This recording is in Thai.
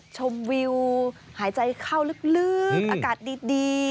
ชมวิวหายใจเข้าลึกอากาศดี